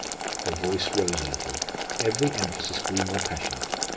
Her voice rose a little, every emphasis grew more passionate.